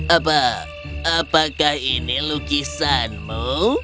apa apakah ini lukisanmu